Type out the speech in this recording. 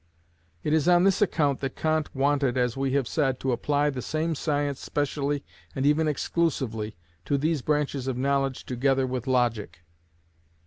It is on this account that Kant wanted, as we have said, to apply the name science specially and even exclusively to these branches of knowledge together with logic.